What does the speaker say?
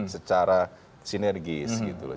secara sinergis gitu loh